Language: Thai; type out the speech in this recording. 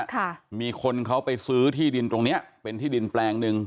ค่ะมีคนเขาไปซื้อที่ดินตรงเนี้ยเป็นที่ดินแปลงหนึ่ง